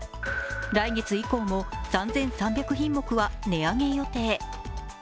来月以降も３３００品目は値上げ予定。